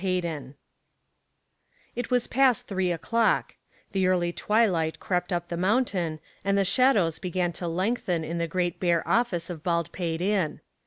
HAYDEN It was past three o'clock. The early twilight crept up the mountain, and the shadows began to lengthen in the great bare office of Baldpate Inn.